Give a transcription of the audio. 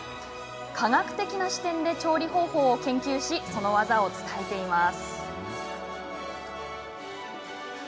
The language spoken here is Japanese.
科学的な視点で調理方法を研究しその技を伝えています。